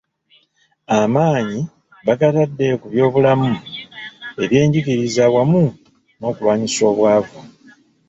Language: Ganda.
Amaanyi bagatadde ku byobulamu, ebyenjigiriza wamu n'okulwanyisa obwavu.